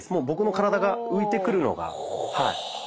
僕の体が浮いてくるのがはい。